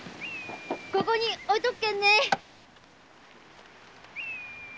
ここに置いとくけんね！